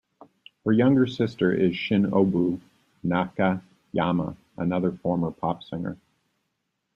Her younger sister is Shinobu Nakayama, another former pop singer.